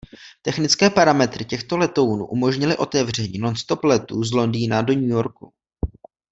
Technické parametry těchto letounů umožnily otevření nonstop letů z Londýna do New Yorku.